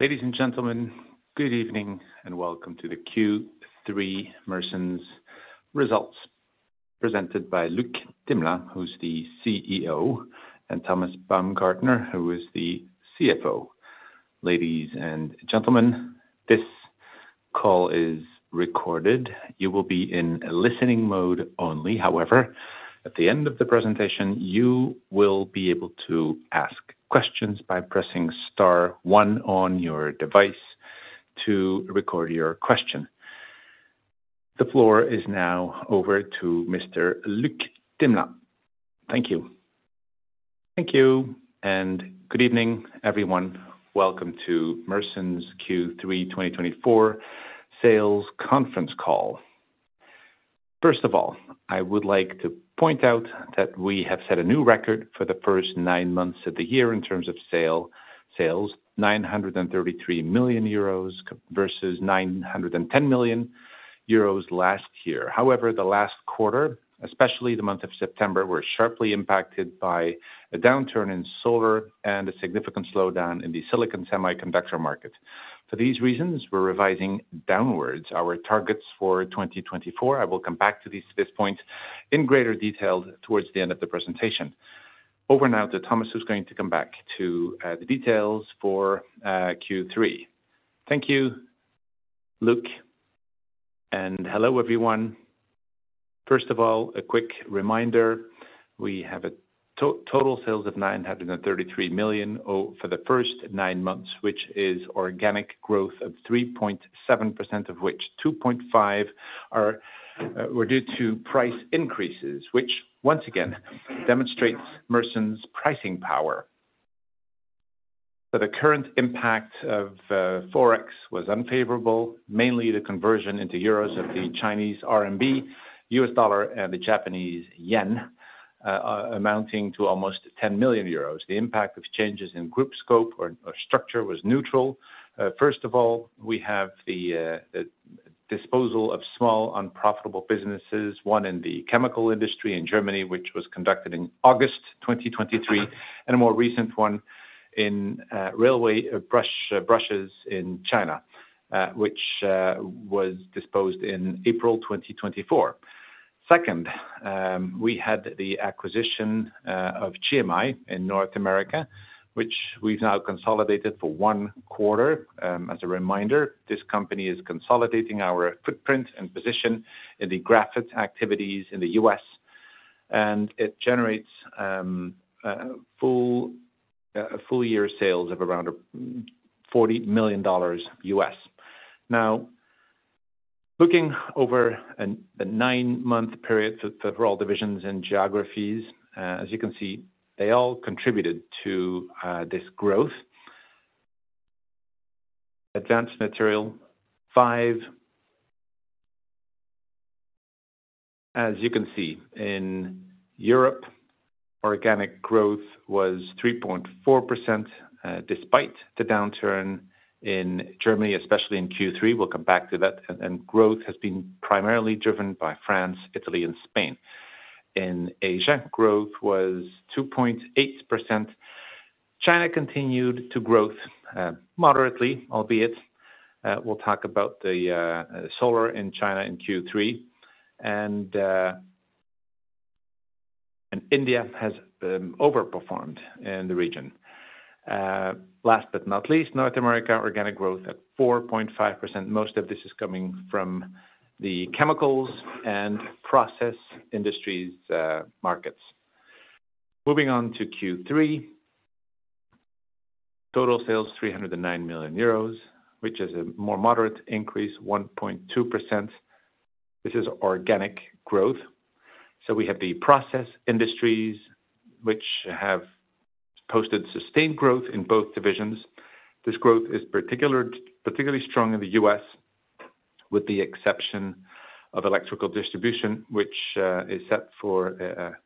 Ladies and gentlemen, good evening, and welcome to the Q3 Mersen's results, presented by Luc Themelin, who's the CEO, and Thomas Baumgartner, who is the CFO. Ladies and gentlemen, this call is recorded. You will be in a listening mode only. However, at the end of the presentation, you will be able to ask questions by pressing star one on your device to record your question. The floor is now over to Mr. Luc Themelin. Thank you. Thank you and good evening, everyone. Welcome to Mersen's Q3 2024 sales conference call. First of all, I would like to point out that we have set a new record for the first nine months of the year in terms of sales, 933 million euros versus 910 million euros last year. However, the last quarter, especially the month of September, were sharply impacted by a downturn in solar and a significant slowdown in the silicon semiconductor market. For these reasons, we're revising downwards our targets for 2024. I will come back to this, this point in greater detail towards the end of the presentation. Over now to Thomas, who's going to come back to the details for Q3. Thank you, Luc, and hello, everyone. First of all, a quick reminder. We have total sales of 933 million for the first nine months, which is organic growth of 3.7%, of which 2.5% were due to price increases, which once again demonstrates Mersen's pricing power. So the current impact of Forex was unfavorable, mainly the conversion into euros of the Chinese RMB, US dollar, and the Japanese yen, amounting to almost 10 million euros. The impact of changes in group scope or structure was neutral. First of all, we have the disposal of small, unprofitable businesses, one in the chemical industry in Germany, which was conducted in August 2023, and a more recent one in railway brushes in China, which was disposed in April 2024. Second, we had the acquisition of GMI in North America, which we've now consolidated for one quarter. As a reminder, this company is consolidating our footprint and position in the graphite activities in the U.S., and it generates a full year of sales of around $40 million. Now, looking over the nine-month period for all divisions and geographies, as you can see, they all contributed to this growth. Advanced materials, five... As you can see, in Europe, organic growth was 3.4%, despite the downturn in Germany, especially in Q3. We'll come back to that. And growth has been primarily driven by France, Italy, and Spain. In Asia, growth was 2.8%. China continued to grow moderately, albeit we'll talk about the solar in China in Q3, and India has overperformed in the region. Last but not least, North America, organic growth at 4.5%. Most of this is coming from the chemicals and process industries markets. Moving on to Q3, total sales 309 million euros, which is a more moderate increase, 1.2%. This is organic growth, so we have the process industries, which have posted sustained growth in both divisions. This growth is particularly strong in the U.S., with the exception of electrical distribution, which is set for,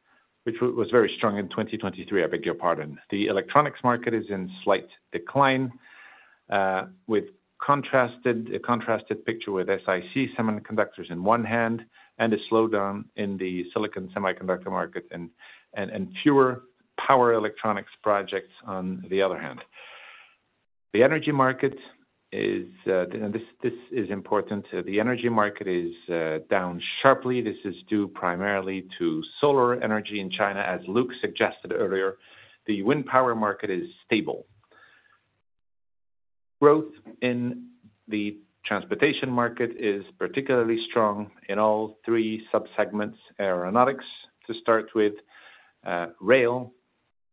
which was very strong in 2023. I beg your pardon. The electronics market is in slight decline, with a contrasted picture with SiC semiconductors on the one hand and a slowdown in the silicon semiconductor market and fewer power electronics projects on the other hand. The energy market is, this is important. The energy market is down sharply. This is due primarily to solar energy in China, as Luc suggested earlier. The wind power market is stable. Growth in the transportation market is particularly strong in all three subsegments: aeronautics to start with, rail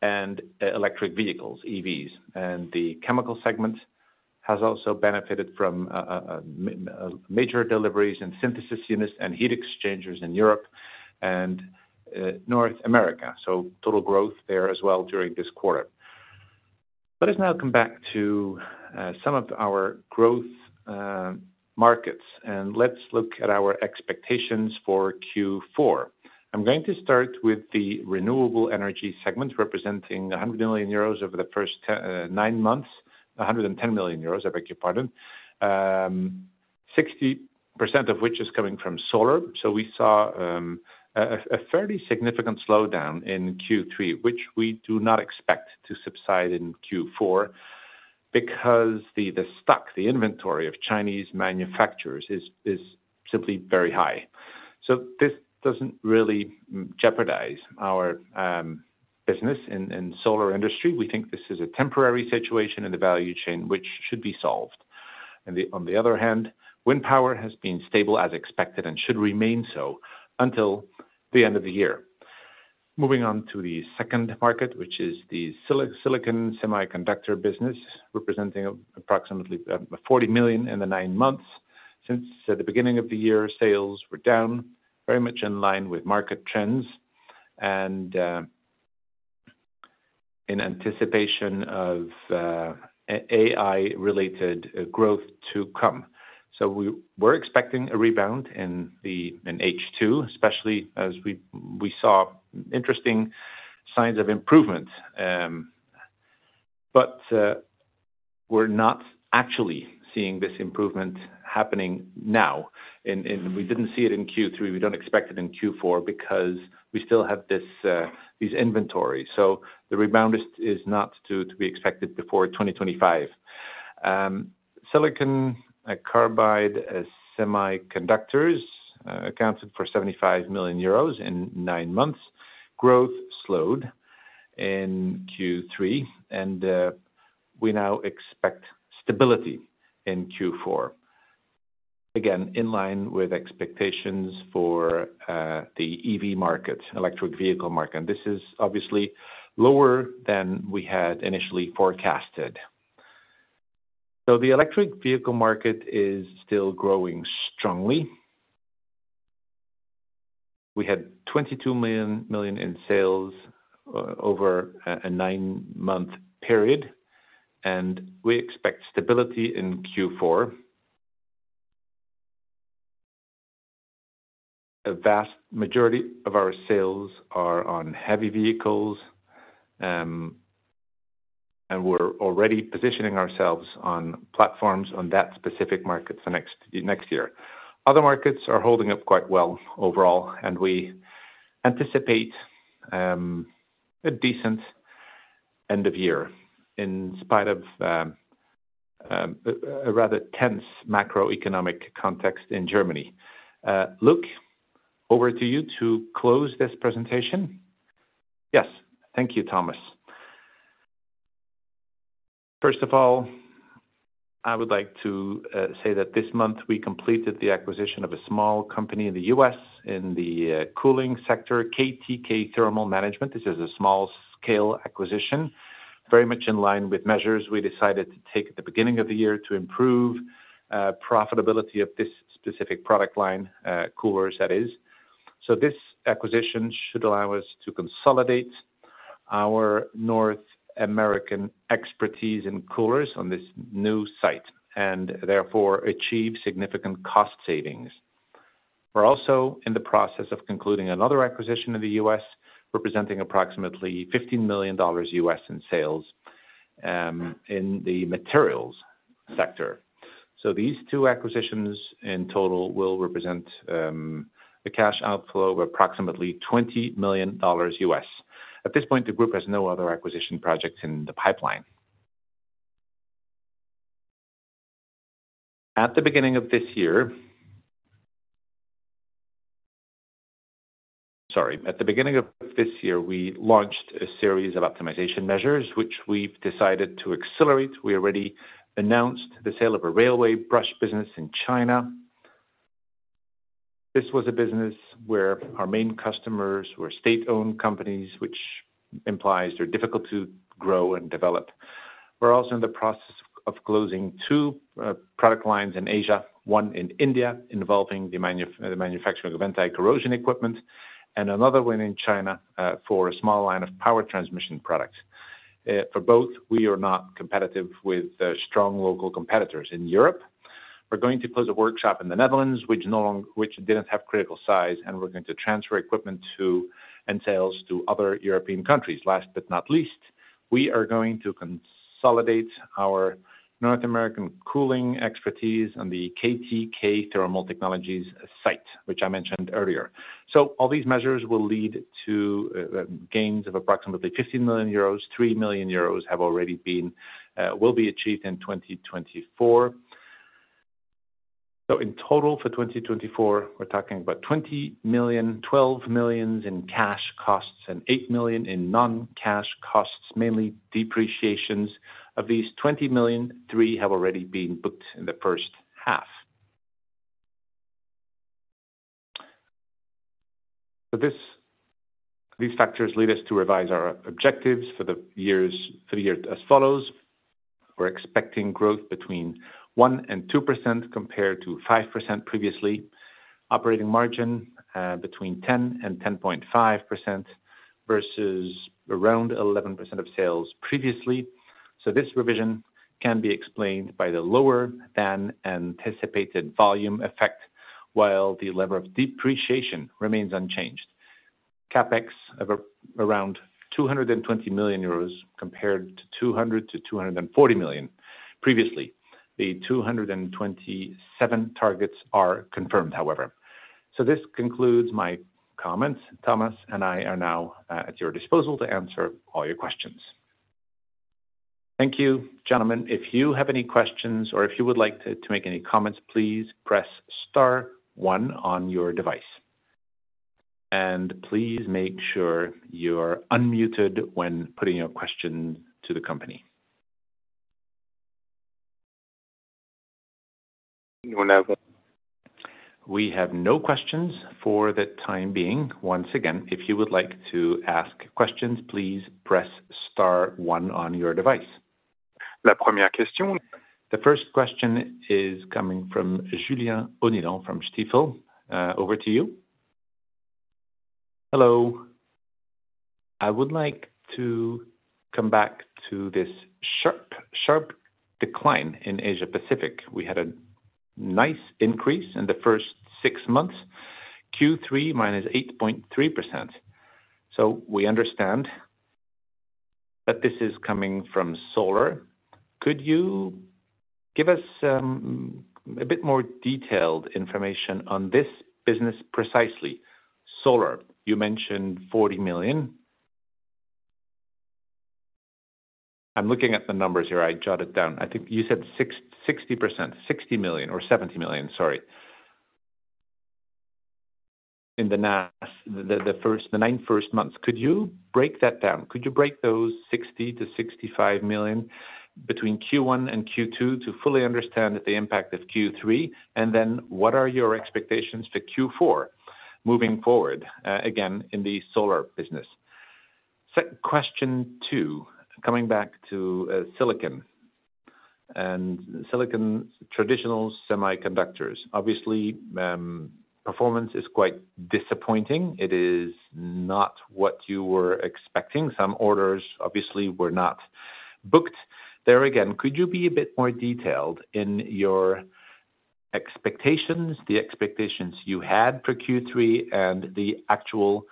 and, electric vehicles, EVs. And the chemical segment has also benefited from, major deliveries and synthesis units and heat exchangers in Europe and, North America. So total growth there as well during this quarter. Let us now come back to, some of our growth, markets, and let's look at our expectations for Q4. I'm going to start with the renewable energy segment, representing 100 million euros over the first nine months. 110 million euros, I beg your pardon. Sixty percent of which is coming from solar. We saw a fairly significant slowdown in Q3, which we do not expect to subside in Q4, because the inventory of Chinese manufacturers is simply very high. This doesn't really jeopardize our business in solar industry. We think this is a temporary situation in the value chain, which should be solved. On the other hand, wind power has been stable as expected and should remain so until the end of the year. Moving on to the second market, which is the silicon semiconductor business, representing approximately 40 million in the nine months. Since the beginning of the year, sales were down, very much in line with market trends and in anticipation of AI-related growth to come. So we were expecting a rebound in H2, especially as we saw interesting signs of improvement. But we're not actually seeing this improvement happening now, and we didn't see it in Q3. We don't expect it in Q4 because we still have these inventories. So the rebound is not to be expected before 2025. SiC semiconductors accounted for 75 million euros in nine months. Growth slowed in Q3, and we now expect stability in Q4. Again, in line with expectations for the EV market, electric vehicle market. This is obviously lower than we had initially forecasted. So the electric vehicle market is still growing strongly. We had 22 million in sales over a nine-month period, and we expect stability in Q4. A vast majority of our sales are on heavy vehicles, and we're already positioning ourselves on platforms on that specific market for next year. Other markets are holding up quite well overall, and we anticipate a decent end of year, in spite of a rather tense macroeconomic context in Germany. Luc, over to you to close this presentation. Yes. Thank you, Thomas. First of all, I would like to say that this month we completed the acquisition of a small company in the U.S., in the cooling sector, KTK Thermal Technologies. This is a small-scale acquisition, very much in line with measures we decided to take at the beginning of the year to improve profitability of this specific product line, coolers, that is. So this acquisition should allow us to consolidate our North American expertise in coolers on this new site, and therefore achieve significant cost savings. We're also in the process of concluding another acquisition in the U.S., representing approximately $15 million in sales, in the materials sector. So these two acquisitions in total will represent, a cash outflow of approximately $20 million. At this point, the group has no other acquisition projects in the pipeline. At the beginning of this year, we launched a series of optimization measures, which we've decided to accelerate. We already announced the sale of a railway brush business in China. This was a business where our main customers were state-owned companies, which implies they're difficult to grow and develop. We're also in the process of closing two product lines in Asia, one in India, involving the manufacturing of anti-corrosion equipment, and another one in China, for a small line of power transmission products. For both, we are not competitive with the strong local competitors. In Europe, we're going to close a workshop in the Netherlands, which didn't have critical size, and we're going to transfer equipment to, and sales to other European countries. Last but not least, we are going to consolidate our North American cooling expertise on the KTK Thermal Technologies site, which I mentioned earlier. So all these measures will lead to gains of approximately 50 million euros, 3 million euros have already been, will be achieved in 2024. So in total, for 2024, we're talking about 20 million, 12 million in cash costs and 8 million in non-cash costs, mainly depreciations. Of these 20 million, 3 million have already been booked in the first half. These factors lead us to revise our objectives for the year as follows: We're expecting growth between 1% and 2% compared to 5% previously. Operating margin between 10% and 10.5% versus around 11% of sales previously. So this revision can be explained by the lower than anticipated volume effect, while the level of depreciation remains unchanged. CapEx of around 220 million euros compared to 200 million-240 million previously. The 2027 targets are confirmed, however. So this concludes my comments. Thomas and I are now at your disposal to answer all your questions. Thank you, gentlemen. If you have any questions or if you would like to make any comments, please press star one on your device, and please make sure you're unmuted when putting your question to the company. We have no questions for the time being. Once again, if you would like to ask questions, please press star one on your device. The first question is coming from Julien Onillon from Stifel. Over to you. Hello. I would like to come back to this sharp decline in Asia-Pacific. We had a nice increase in the first six months, Q3, -8.3%. So we understand that this is coming from solar. Could you give us a bit more detailed information on this business, precisely? Solar, you mentioned EUR 40 million. I'm looking at the numbers here. I jotted down. I think you said 60%. 60 million or 70 million, sorry. In the first nine months. Could you break that down? Could you break those 60 million-65 million between Q1 and Q2 to fully understand the impact of Q3, and then what are your expectations for Q4 moving forward, again, in the solar business? Second question, coming back to silicon and silicon traditional semiconductors. Obviously, performance is quite disappointing. It is not what you were expecting. Some orders obviously were not booked. There again, could you be a bit more detailed in your expectations, the expectations you had for Q3 and the actual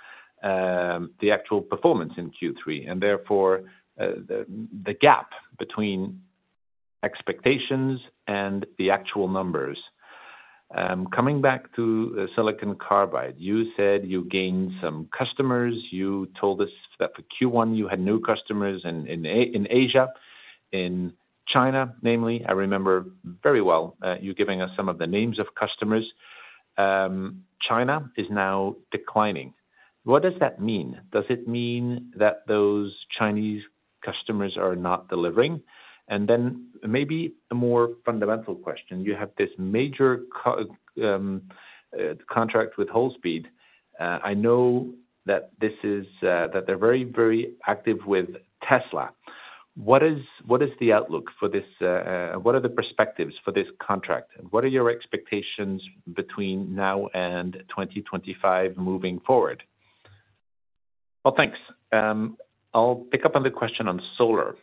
performance in Q3, and therefore, the gap between expectations and the actual numbers? Coming back to the silicon carbide, you said you gained some customers. You told us that for Q1, you had new customers in Asia, in China, namely. I remember very well you giving us some of the names of customers. China is now declining. What does that mean? Does it mean that those Chinese customers are not delivering? And then maybe a more fundamental question. You have this major contract with Wolfspeed. I know that they're very, very active with Tesla. What is the outlook for this, what are the perspectives for this contract? What are your expectations between now and 2025 moving forward? Thanks. I'll pick up on the question on solar.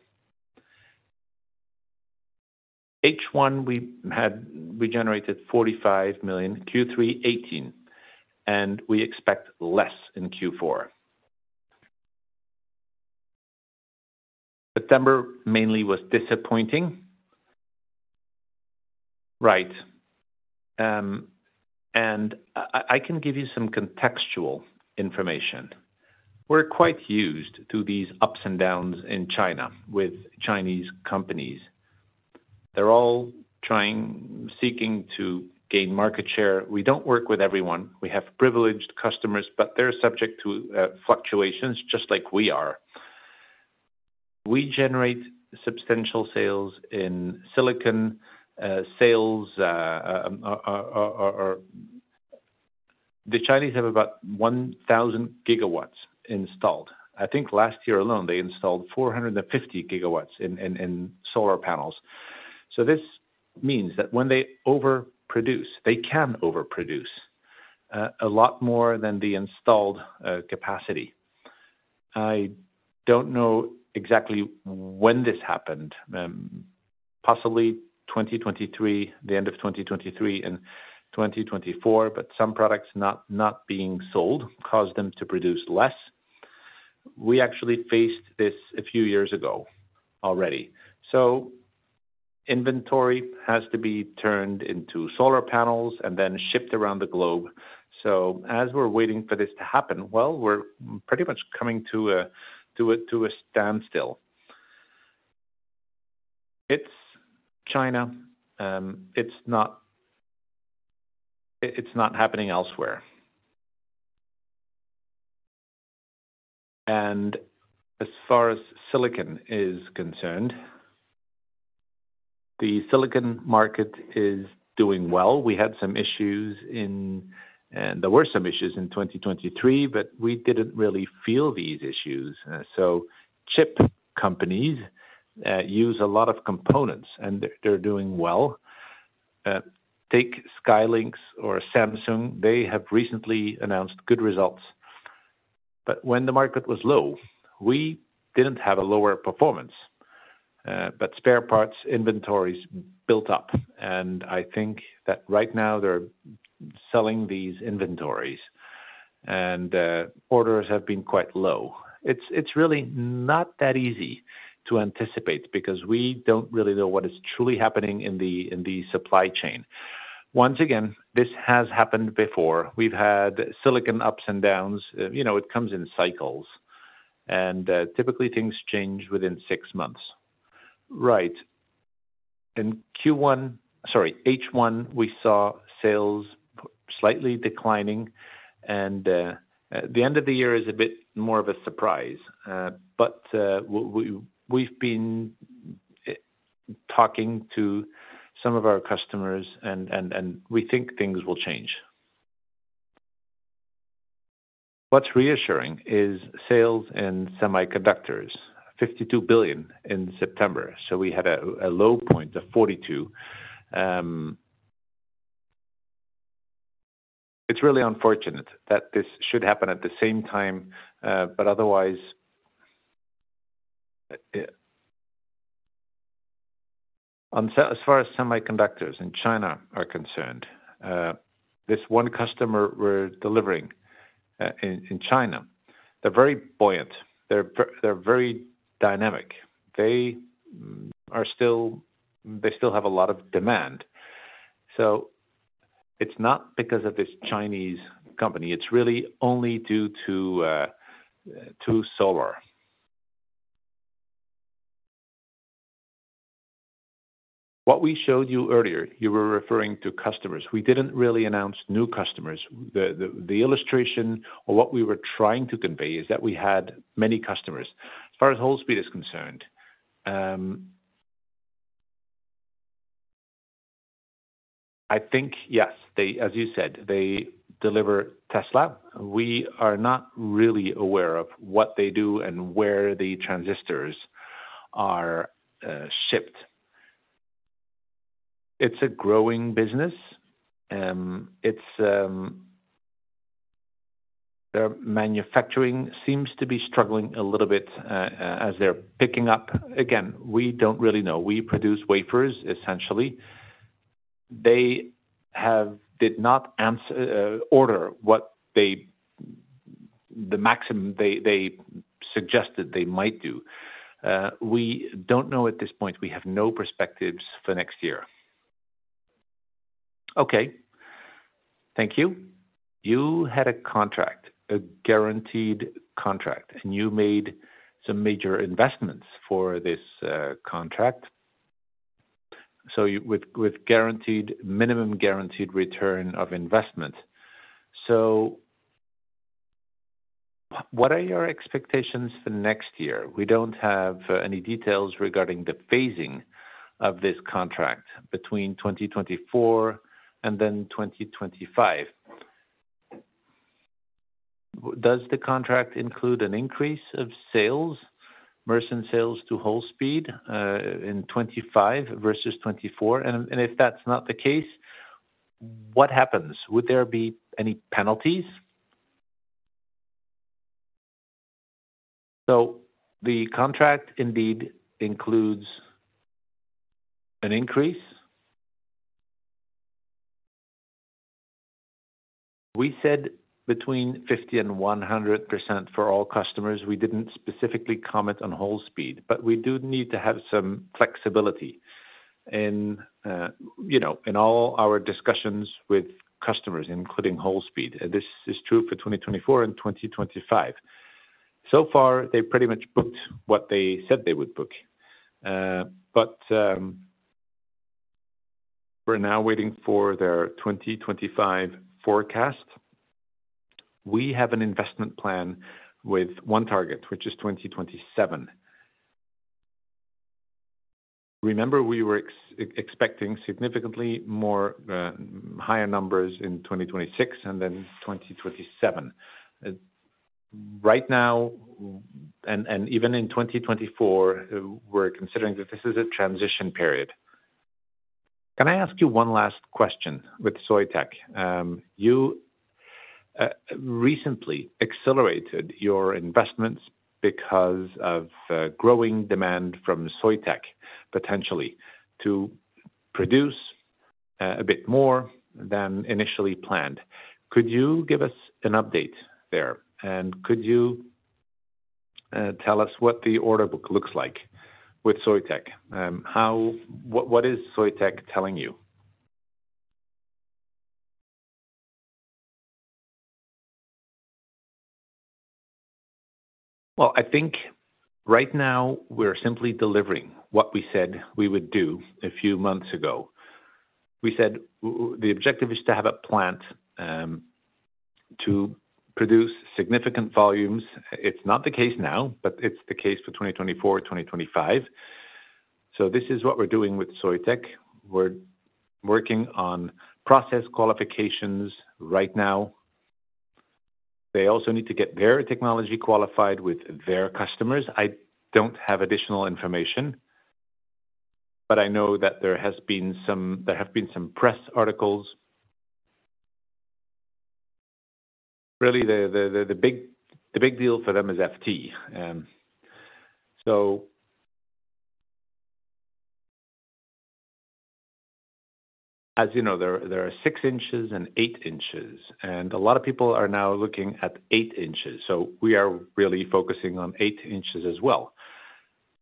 H1, we generated 45 million, Q3, 18 million, and we expect less in Q4. September mainly was disappointing, right, and I can give you some contextual information. We're quite used to these ups and downs in China with Chinese companies. They're all trying, seeking to gain market share. We don't work with everyone. We have privileged customers, but they're subject to fluctuations, just like we are. We generate substantial sales in silicon or the Chinese have about 1,000 GW installed. I think last year alone, they installed 450 GW in solar panels. So this means that when they overproduce, they can overproduce a lot more than the installed capacity. I don't know exactly when this happened, possibly 2023, the end of 2023 and 2024, but some products not being sold caused them to produce less. We actually faced this a few years ago already. So inventory has to be turned into solar panels and then shipped around the globe. So as we're waiting for this to happen, well, we're pretty much coming to a standstill. It's China. It's not happening elsewhere. And as far as silicon is concerned, the silicon market is doing well. We had some issues in, and there were some issues in 2023, but we didn't really feel these issues. So chip companies use a lot of components, and they're doing well. Take SK Hynix or Samsung; they have recently announced good results. But when the market was low, we didn't have a lower performance. But spare parts inventories built up, and I think that right now they're selling these inventories, and orders have been quite low. It's really not that easy to anticipate because we don't really know what is truly happening in the supply chain. Once again, this has happened before. We've had silicon ups and downs. You know, it comes in cycles, and typically things change within six months. Right. In Q1, sorry, H1, we saw sales slightly declining, and the end of the year is a bit more of a surprise. But we've been talking to some of our customers and we think things will change. What's reassuring is sales in semiconductors, 52 billion in September. So we had a low point of 42. It's really unfortunate that this should happen at the same time, but otherwise. As far as semiconductors in China are concerned, this one customer we're delivering in China, they're very buoyant, they're very dynamic. They still have a lot of demand. So it's not because of this Chinese company, it's really only due to solar. What we showed you earlier, you were referring to customers. We didn't really announce new customers. The illustration or what we were trying to convey is that we had many customers. As far as Wolfspeed is concerned, I think, yes, they, as you said, deliver Tesla. We are not really aware of what they do and where the transistors are shipped. It's a growing business. Their manufacturing seems to be struggling a little bit as they're picking up. Again, we don't really know. We produce wafers, essentially. They did not order what they, the maximum they suggested they might do. We don't know at this point. We have no perspectives for next year. Okay, thank you. You had a contract, a guaranteed contract, and you made some major investments for this contract. So with minimum guaranteed ROI. So, what are your expectations for next year? We don't have any details regarding the phasing of this contract between 2024 and then 2025. Does the contract include an increase of sales, Mersen sales to Wolfspeed, in 2025 versus 2024? And, if that's not the case, what happens? Would there be any penalties? So the contract indeed includes an increase. We said between 50% and 100% for all customers. We didn't specifically comment on Wolfspeed, but we do need to have some flexibility in, you know, in all our discussions with customers, including Wolfspeed. This is true for 2024 and 2025. So far, they pretty much booked what they said they would book. But we're now waiting for their 2025 forecast. We have an investment plan with one target, which is 2027. Remember, we were expecting significantly more, higher numbers in 2026 and then 2027. Right now, and even in 2024, we're considering that this is a transition period. Can I ask you one last question with Soitec? You recently accelerated your investments because of growing demand from Soitec, potentially to produce a bit more than initially planned. Could you give us an update there? And could you tell us what the order book looks like with Soitec? What is Soitec telling you? Well, I think right now we're simply delivering what we said we would do a few months ago. We said the objective is to have a plant to produce significant volumes. It's not the case now, but it's the case for 2024, 2025. So this is what we're doing with Soitec. We're working on process qualifications right now. They also need to get their technology qualified with their customers. I don't have additional information, but I know that there have been some press articles. Really, the big deal for them is FT. So as you know, there are six inches and eight inches, and a lot of people are now looking at eight inches, so we are really focusing on eight inches as well.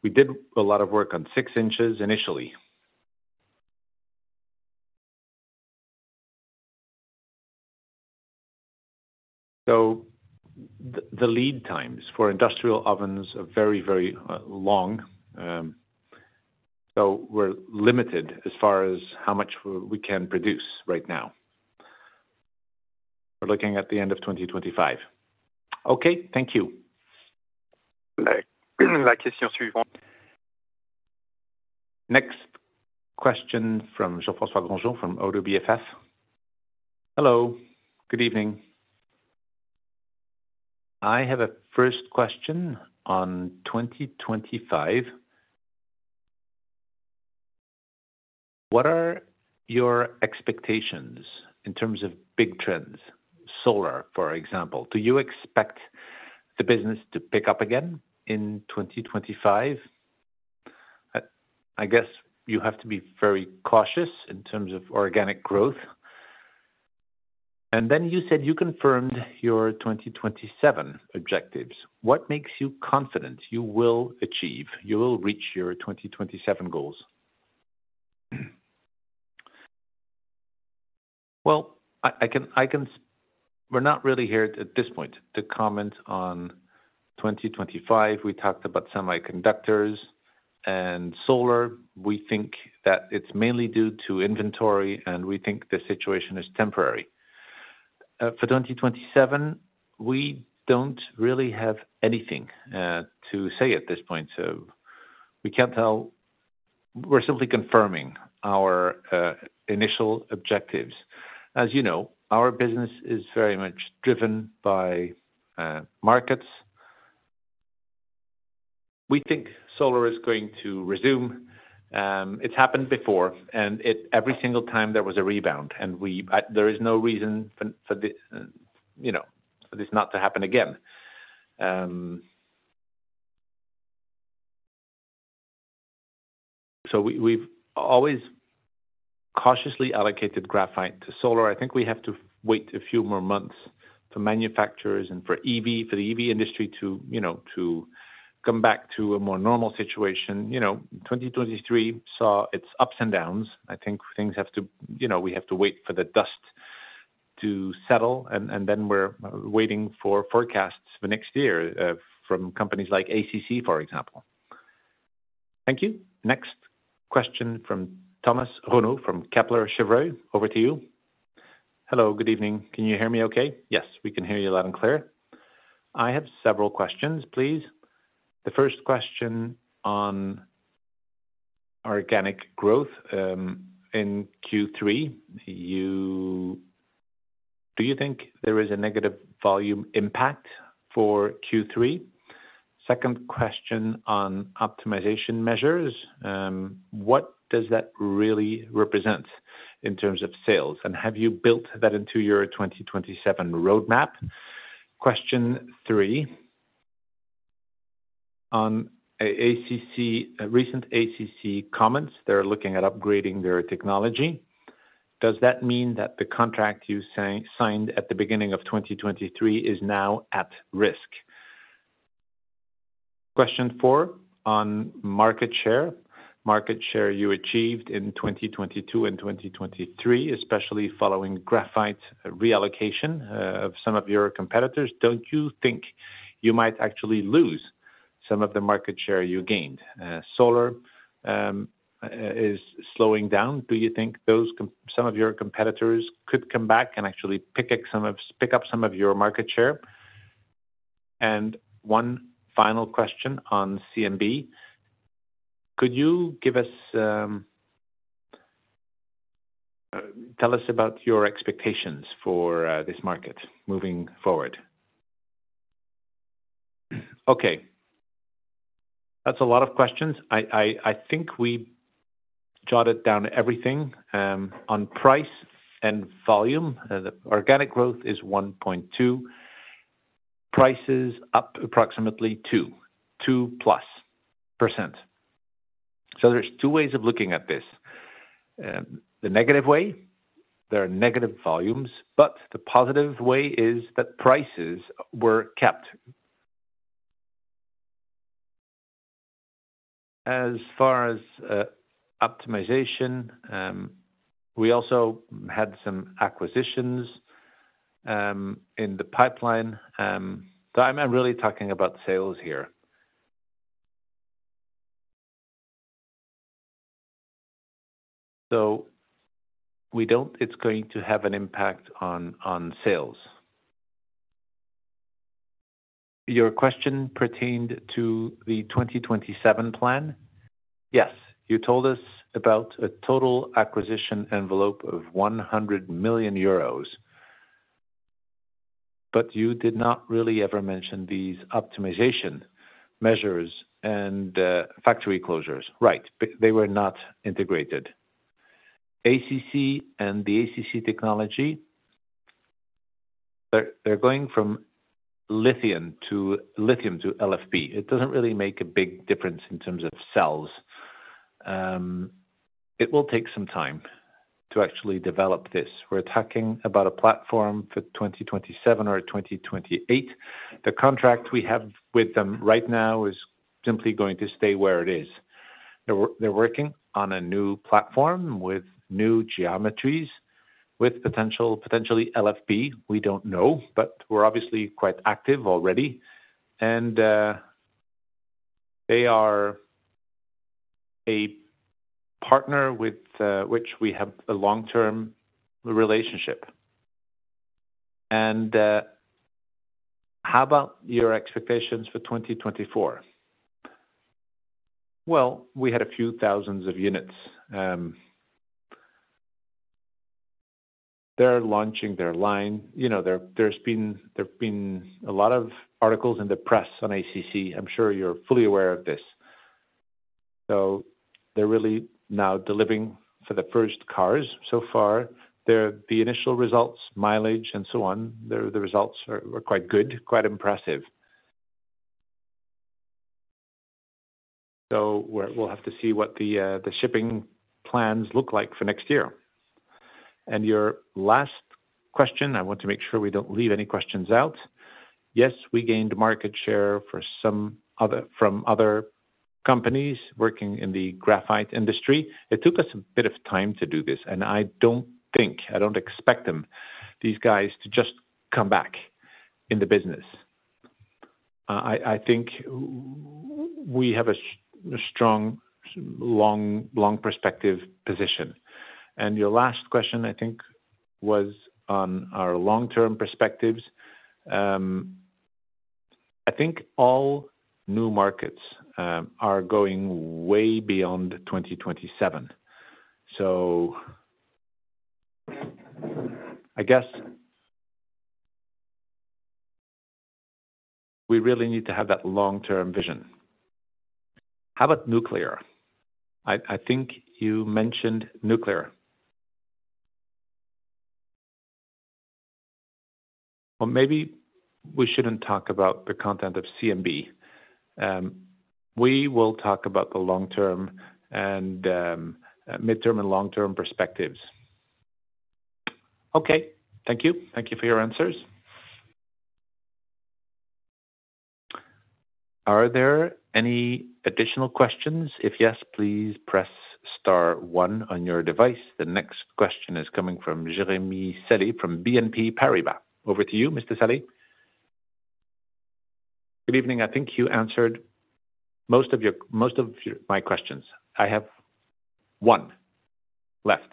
We did a lot of work on six inches initially. So the lead times for industrial ovens are very, very long. So we're limited as far as how much we can produce right now. We're looking at the end of 2025. Okay, thank you. Next question from Jean-François Granjon from ODDO BHF. Hello, good evening. I have a first question on 2025. What are your expectations in terms of big trends, solar, for example? Do you expect the business to pick up again in 2025? I guess you have to be very cautious in terms of organic growth. And then you said you confirmed your 2027 objectives. What makes you confident you will achieve, you will reach your 2027 goals? We're not really here at this point to comment on 2025. We talked about semiconductors and solar. We think that it's mainly due to inventory, and we think the situation is temporary. For 2027, we don't really have anything to say at this point, so we can't tell. We're simply confirming our initial objectives. As you know, our business is very much driven by markets. We think solar is going to resume. It's happened before, and every single time there was a rebound, and we there is no reason for this, you know, for this not to happen again. So we've always cautiously allocated graphite to solar. I think we have to wait a few more months for manufacturers and for the EV industry to, you know, to come back to a more normal situation. You know, 2023 saw its ups and downs. I think things have to. You know, we have to wait for the dust to settle, and then we're waiting for forecasts for next year from companies like ACC, for example. Thank you. Next question from Thomas Renaud from Kepler Cheuvreux. Over to you. Hello, good evening. Can you hear me okay? Yes, we can hear you loud and clear. I have several questions, please. The first question on organic growth in Q3, do you think there is a negative volume impact for Q3? Second question on optimization measures. What does that really represent in terms of sales? And have you built that into your 2027 roadmap? Question three, on ACC, recent ACC comments, they're looking at upgrading their technology. Does that mean that the contract you signed at the beginning of 2023 is now at risk? Question four on market share. Market share you achieved in 2022 and 2023, especially following graphite reallocation of some of your competitors. Don't you think you might actually lose some of the market share you gained? Solar is slowing down. Do you think those some of your competitors could come back and actually pick up some of your market share? And one final question on SiC: Could you give us, tell us about your expectations for this market moving forward? Okay, that's a lot of questions. I think we jotted down everything on price and volume. The organic growth is 1.2, prices up approximately 2%. So there's two ways of looking at this. The negative way, there are negative volumes, but the positive way is that prices were kept. As far as optimization, we also had some acquisitions in the pipeline. So I'm really talking about sales here. So we don't, it's going to have an impact on sales. Your question pertained to the 2027 plan? Yes. You told us about a total acquisition envelope of 100 million euros, but you did not really ever mention these optimization measures and factory closures. Right. But- They were not integrated. ACC and the ACC technology, they're going from lithium to LFP. It doesn't really make a big difference in terms of cells. It will take some time to actually develop this. We're talking about a platform for 2027 or 2028. The contract we have with them right now is simply going to stay where it is. They're working on a new platform with new geometries, with potentially LFP. We don't know, but we're obviously quite active already, and they are a partner with which we have a long-term relationship. How about your expectations for 2024? We had a few thousand units. They're launching their line. You know, there have been a lot of articles in the press on ACC. I'm sure you're fully aware of this. So they're really now delivering for the first cars. So far, the initial results, mileage, and so on, the results were quite good, quite impressive. So we'll have to see what the shipping plans look like for next year. And your last question, I want to make sure we don't leave any questions out. Yes, we gained market share from other companies working in the graphite industry. It took us a bit of time to do this, and I don't expect them, these guys, to just come back in the business. I think we have a strong, long perspective position. And your last question, I think, was on our long-term perspectives. I think all new markets are going way beyond 2027. So I guess we really need to have that long-term vision. How about nuclear? I think you mentioned nuclear. Well, maybe we shouldn't talk about the content of CMB. We will talk about the long term and midterm and long-term perspectives. Okay, thank you. Thank you for your answers. Are there any additional questions? If yes, please press star one on your device. The next question is coming from Jérémy Sallée from BNP Paribas. Over to you, Mr. Sally. Good evening. I think you answered most of my questions. I have one left.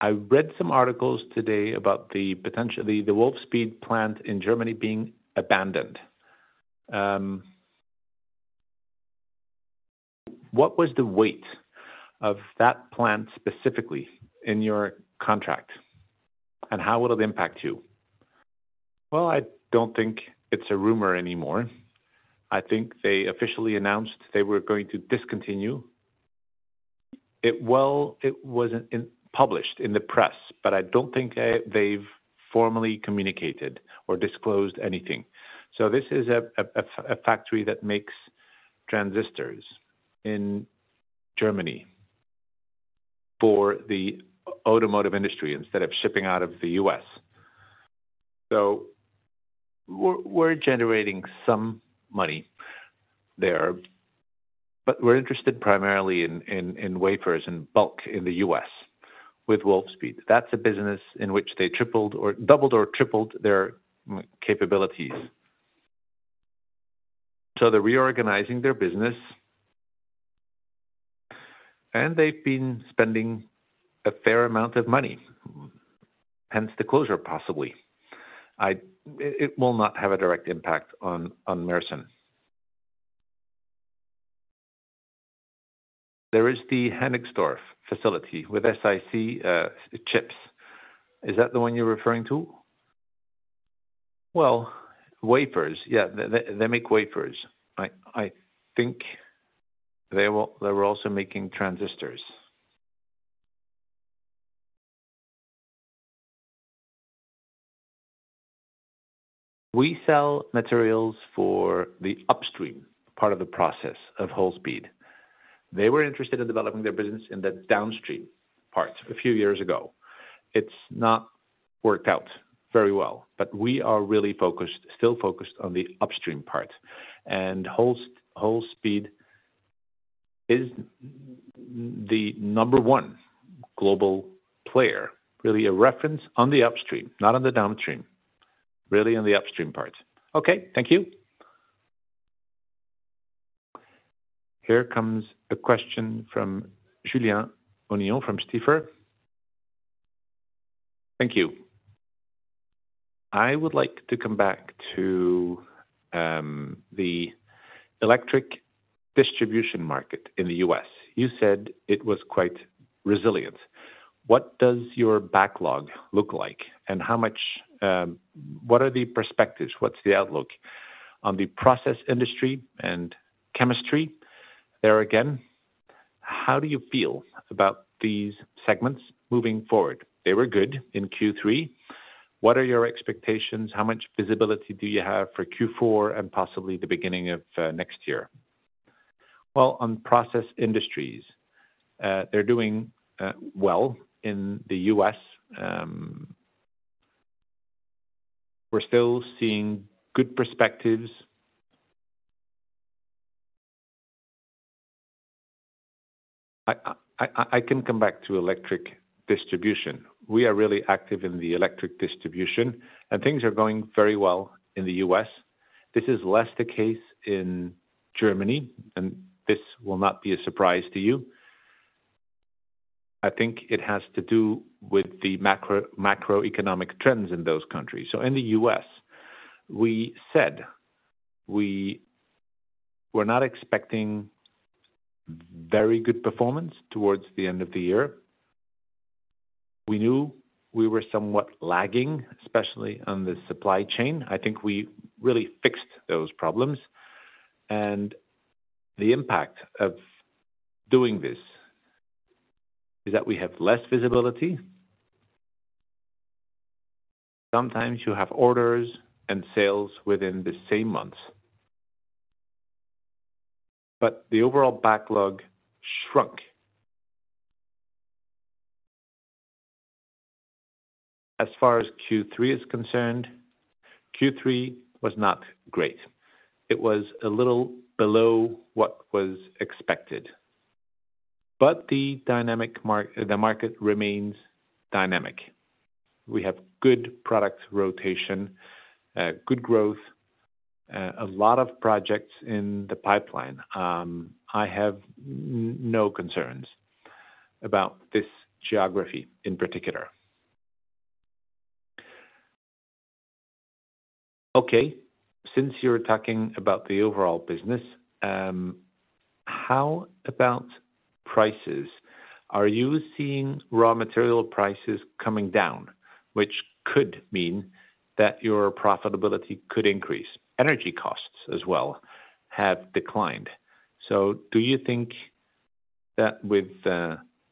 I read some articles today about potentially the Wolfspeed plant in Germany being abandoned. What was the weight of that plant specifically in your contract, and how will it impact you? Well, I don't think it's a rumor anymore. I think they officially announced they were going to discontinue. Well, it wasn't published in the press, but I don't think they've formally communicated or disclosed anything. So this is a factory that makes transistors in Germany for the automotive industry instead of shipping out of the US. So we're generating some money there, but we're interested primarily in wafers and bulk in the U.S. with Wolfspeed. That's a business in which they tripled or doubled or tripled their capabilities. So they're reorganizing their business, and they've been spending a fair amount of money, hence the closure, possibly. It will not have a direct impact on Mersen. There is the Ensdorf facility with SiC chips. Is that the one you're referring to? Well, wafers, yeah, they make wafers. I think they were also making transistors. We sell materials for the upstream part of the process of Wolfspeed. They were interested in developing their business in the downstream part a few years ago. It's not worked out very well, but we are really focused, still focused on the upstream part, and Wolfspeed is the number one global player, really a reference on the upstream, not on the downstream. Really in the upstream part. Okay, thank you. Here comes a question from Julien Onillon from Stifel. Thank you. I would like to come back to the electric distribution market in the U.S. You said it was quite resilient. What does your backlog look like? And how much, what are the perspectives? What's the outlook on the process industry and chemistry? There again, how do you feel about these segments moving forward? They were good in Q3. What are your expectations? How much visibility do you have for Q4 and possibly the beginning of next year? Well, on process industries, they're doing well in the U.S. We're still seeing good perspectives. I can come back to electric distribution. We are really active in the electric distribution, and things are going very well in the U.S. This is less the case in Germany, and this will not be a surprise to you. I think it has to do with the macroeconomic trends in those countries. So in the U.S., we said we were not expecting very good performance towards the end of the year. We knew we were somewhat lagging, especially on the supply chain. I think we really fixed those problems, and the impact of doing this is that we have less visibility. Sometimes you have orders and sales within the same month, but the overall backlog shrunk. As far as Q3 is concerned, Q3 was not great. It was a little below what was expected, but the dynamic market remains dynamic. We have good product rotation, good growth, a lot of projects in the pipeline. I have no concerns about this geography in particular. Okay. Since you're talking about the overall business, how about prices? Are you seeing raw material prices coming down, which could mean that your profitability could increase? Energy costs as well have declined. So do you think that with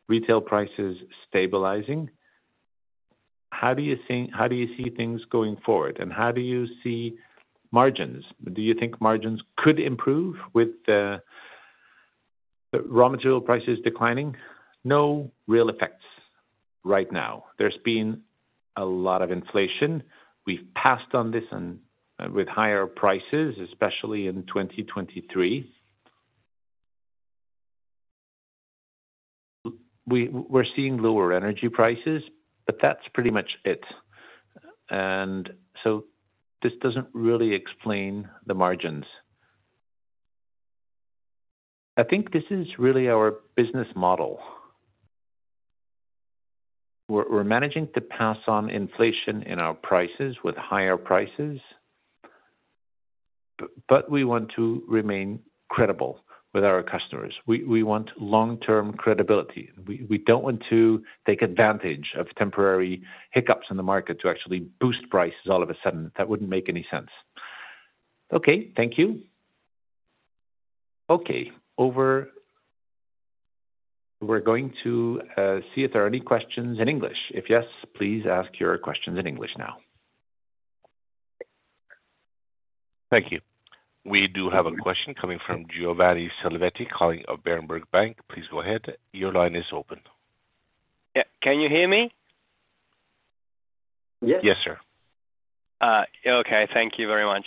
retail prices stabilizing, how do you think, how do you see things going forward, and how do you see margins? Do you think margins could improve with the raw material prices declining? No real effects right now. There's been a lot of inflation. We've passed on this and with higher prices, especially in 2023. We're seeing lower energy prices, but that's pretty much it. And so this doesn't really explain the margins. I think this is really our business model. We're managing to pass on inflation in our prices with higher prices, but we want to remain credible with our customers. We want long-term credibility. We don't want to take advantage of temporary hiccups in the market to actually boost prices all of a sudden. That wouldn't make any sense. Okay, thank you. Okay, over. We're going to see if there are any questions in English. If yes, please ask your questions in English now. Thank you. We do have a question coming from Giovanni Selvetti, of Berenberg Bank. Please go ahead. Your line is open. Yeah, can you hear me? Yes. Yes, sir. Okay. Thank you very much.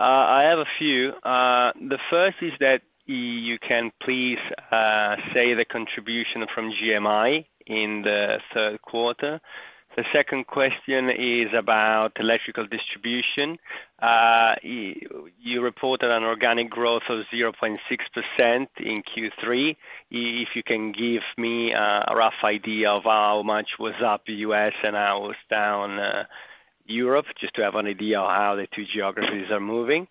I have a few. The first is that you can please say the contribution from GMI in the third quarter. The second question is about electrical distribution. You reported an organic growth of 0.6% in Q3. If you can give me a rough idea of how much was up US and how it was down Europe, just to have an idea of how the two geographies are moving.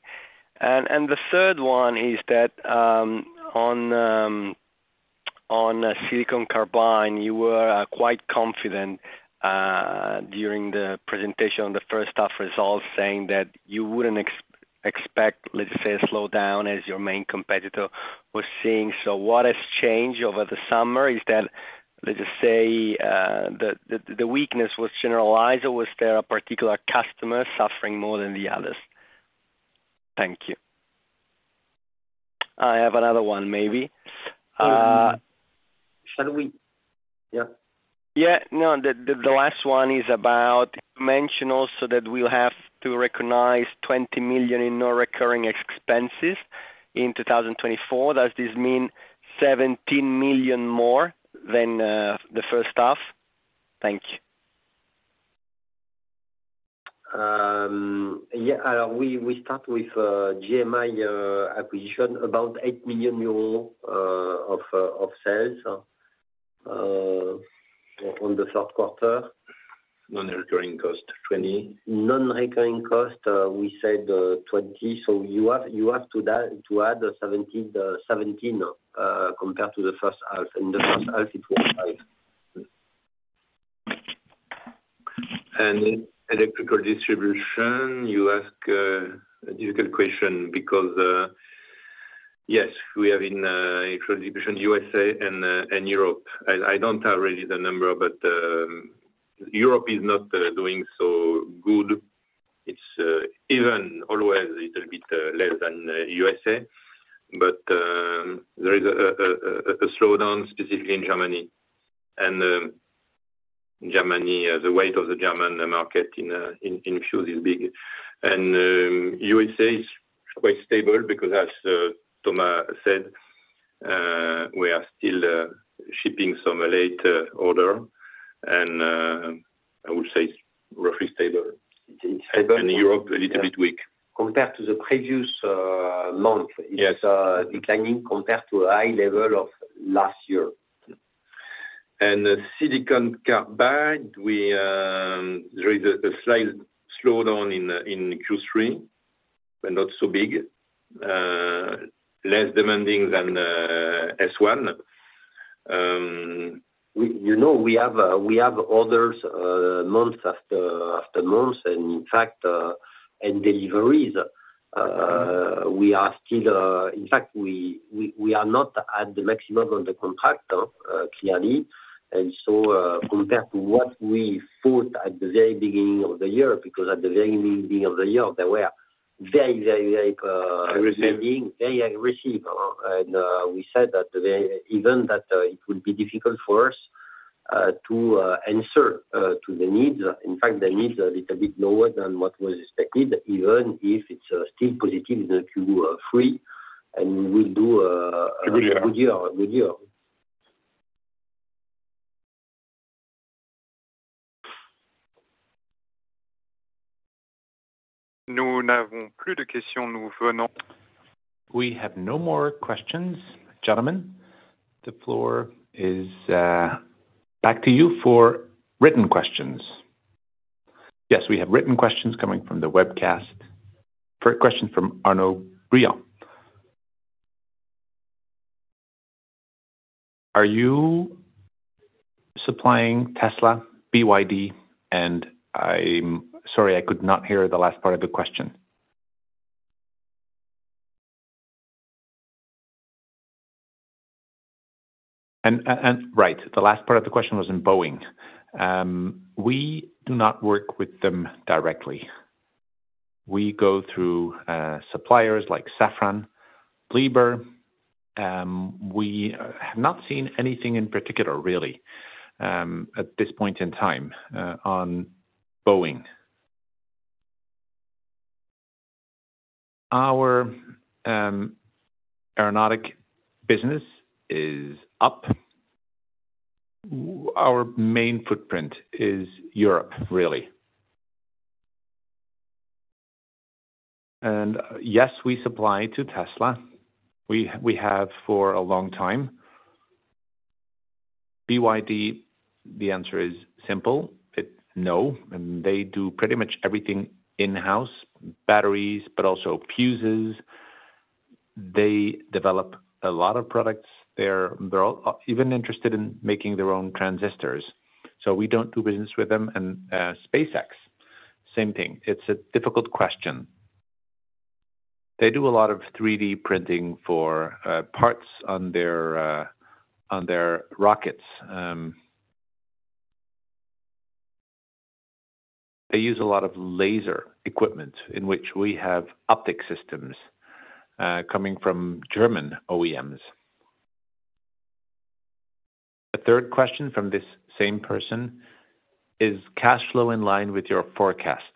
The third one is that on silicon carbide, you were quite confident during the presentation on the first half results, saying that you wouldn't expect, let's say, a slowdown as your main competitor was seeing. So what has changed over the summer? Is that, let's just say, the weakness was generalized, or was there a particular customer suffering more than the others? Thank you. I have another one, maybe, Shall we? Yeah. The last one is about you mentioned also that we'll have to recognize 20 million in non-recurring expenses in 2024. Does this mean 17 million more than the first half? Thank you. We start with GMI acquisition, about 8 million euro of sales on the third quarter. Non-recurring cost 20? Non-recurring cost, we said, 20. So you have to add 17, compared to the first half. In the first half, it was EUR 5. Electrical distribution, you ask, a difficult question because, yes, we are in distribution U.S.A. and Europe. I don't have really the number, but Europe is not doing so good. It's even always a little bit less than U.S.A. But there is a slowdown specifically in Germany. And Germany, the weight of the German market in Europe is big. And U.S.A. is quite stable because as Thomas said, we are still shipping some late order, and I would say it's roughly stable. Europe, a little bit weak. It's stable compared to the previous month. Yes. It's declining compared to high level of last year. And the silicon carbide, there is a slight slowdown in Q3, but not so big. Less demanding than S1. You know, we have orders month after month, and in fact, deliveries, we are still, in fact, we are not at the maximum on the contract, clearly, and so compared to what we thought at the very beginning of the year, because at the very beginning of the year, there were very, very, very aggressive and we said that even that it would be difficult for us to answer to the needs. In fact, the needs are a little bit lower than what was expected, even if it's still positive in the Q3, and we'll do a good year. We have no more questions, gentlemen. The floor is back to you for written questions. Yes, we have written questions coming from the webcast. First question from Arnold Briant. Are you supplying Tesla, BYD? And I'm sorry, I could not hear the last part of the question. And right, the last part of the question was in Boeing. We do not work with them directly. We go through suppliers like Safran, Liebherr. We have not seen anything in particular, really at this point in time on Boeing. Our aeronautic business is up. Our main footprint is Europe, really. And yes, we supply to Tesla. We have for a long time. BYD, the answer is simple. It's no, and they do pretty much everything in-house, batteries, but also fuses. They develop a lot of products. They're all even interested in making their own transistors. So we don't do business with them. And SpaceX, same thing. It's a difficult question. They do a lot of 3D printing for parts on their rockets. They use a lot of laser equipment, in which we have optic systems coming from German OEMs. The third question from this same person: Is cash flow in line with your forecast?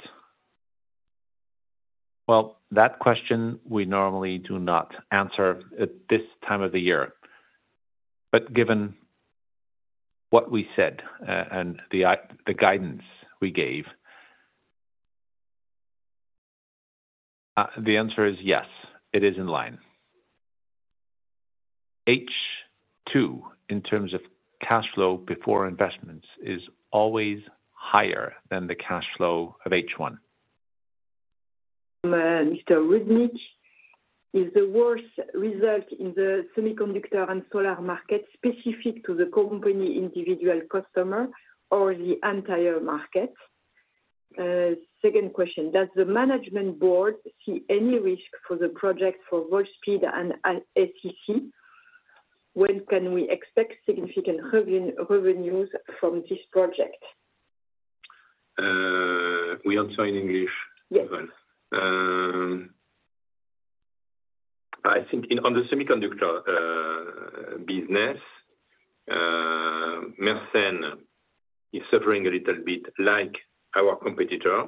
Well, that question we normally do not answer at this time of the year, but given what we said and the guidance we gave, the answer is yes, it is in line. H2, in terms of cash flow before investments, is always higher than the cash flow of H1. Mr. Rudnitz, is the worst result in the semiconductor and solar market specific to the company, individual customer, or the entire market? Second question, does the management board see any risk for the project for Wolfspeed and ACC? When can we expect significant revenues from this project? We answer in English? Yes. I think in, on the semiconductor business, Mersen is suffering a little bit like our competitor,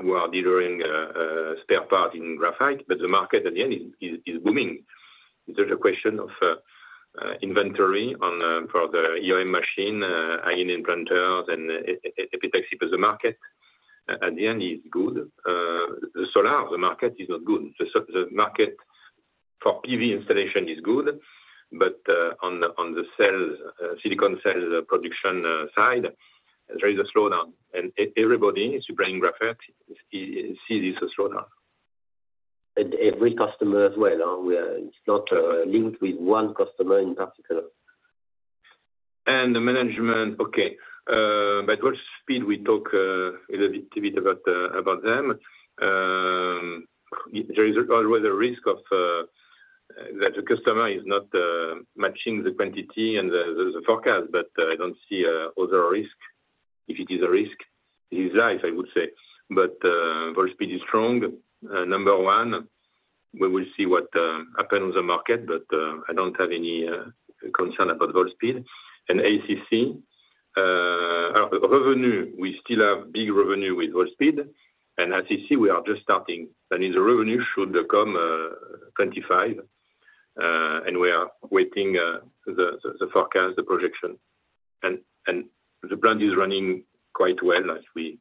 who are delivering spare part in graphite, but the market at the end is booming. There's a question of inventory on for the OEM machine ion implanters and epitaxy, but the market at the end is good. The solar market is not good. The market for PV installation is good, but on the silicon cell production side, there is a slowdown, and everybody is seeing this as a slowdown. And every customer as well. It's not linked with one customer in particular. The management, okay. But Wolfspeed, we talk a little bit about them. There is always a risk that the customer is not matching the quantity and the forecast, but I don't see other risk. If it is a risk, it is life, I would say. But Wolfspeed is strong. Number one, we will see what happens on the market, but I don't have any concern about Wolfspeed and ACC. Our revenue, we still have big revenue with Wolfspeed, and ACC, we are just starting. That is, the revenue should come 2025, and we are waiting the forecast, the projection. The brand is running quite well, as we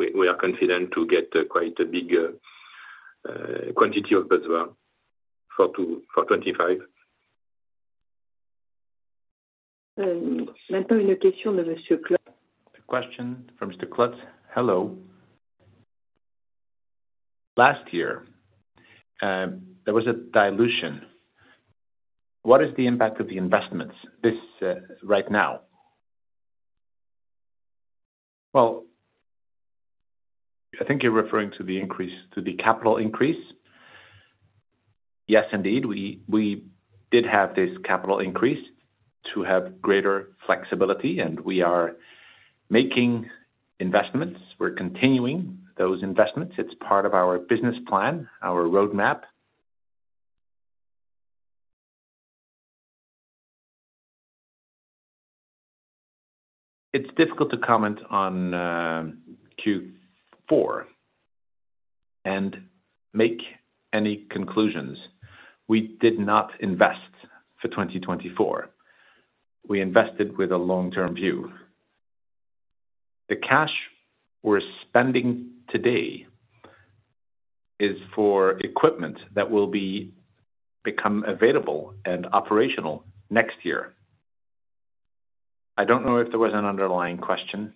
are confident to get quite a big quantity of busbar for 2025. A question from Mr. Klutt. "Hello. Last year, there was a dilution. What is the impact of the investments, this, right now?" Well, I think you're referring to the increase, to the capital increase. Yes, indeed, we, we did have this capital increase to have greater flexibility, and we are making investments. We're continuing those investments. It's part of our business plan, our roadmap. It's difficult to comment on, Q4 and make any conclusions. We did not invest for 2024. We invested with a long-term view. The cash we're spending today is for equipment that will become available and operational next year. I don't know if there was an underlying question.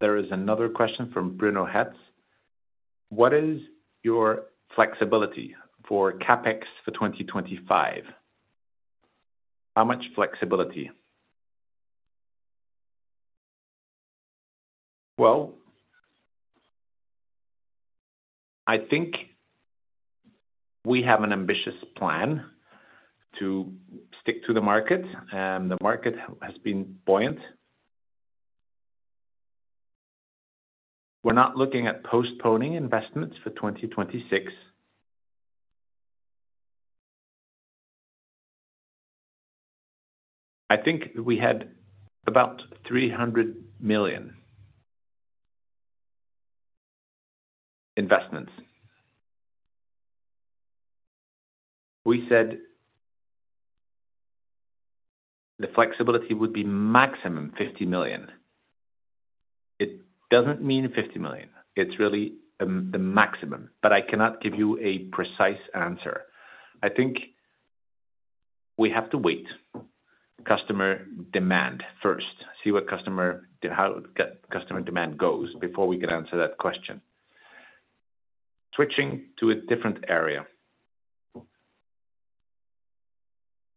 There is another question from Bruno Hetz: What is your flexibility for CapEx for 2025? How much flexibility? I think we have an ambitious plan to stick to the market, and the market has been buoyant. We're not looking at postponing investments for 2026. I think we had about 300 million investments. We said the flexibility would be maximum 50 million. It doesn't mean 50 million, it's really the maximum, but I cannot give you a precise answer. I think we have to wait, customer demand first, see what customer, how customer demand goes before we can answer that question. Switching to a different area,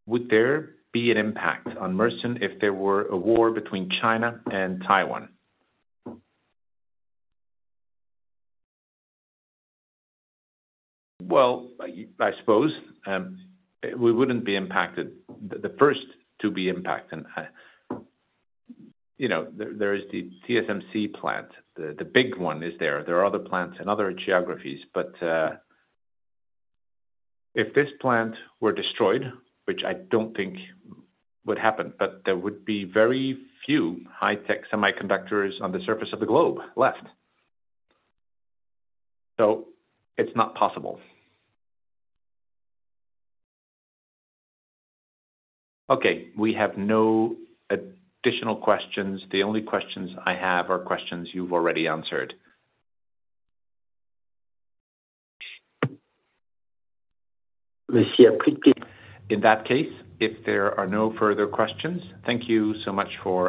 would there be an impact on Mersen if there were a war between China and Taiwan? I suppose we wouldn't be impacted. The first to be impacted and, you know, there is the TSMC plant, the big one is there. There are other plants and other geographies, but if this plant were destroyed, which I don't think would happen, but there would be very few high-tech semiconductors on the surface of the globe left. So it's not possible. Okay, we have no additional questions. The only questions I have are questions you've already answered. In that case, if there are no further questions, thank you so much for your time.